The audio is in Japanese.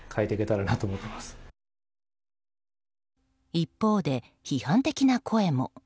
一方で、批判的な声も。